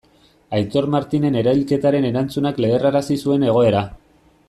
Aitor Martinen erailketaren erantzunak leherrarazi zuen egoera.